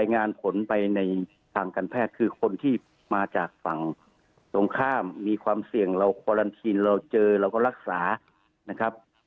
งานผลไปในทางการแพทย์คือคนที่มาจากฝั่งตรงข้ามมีความเสี่ยงเราคอลันทีนเราเจอเราก็รักษานะครับ